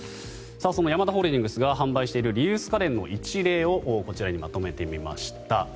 そのヤマダホールディングスが販売しているリユース家電の一例をこちらにまとめてみました。